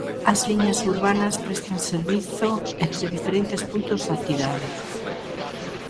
As liñas urbanas prestan servizo entre diferentes puntos da cidade.